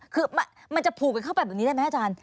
คือมันจะผูกกันเข้าไปแบบนี้ได้ไหมอาจารย์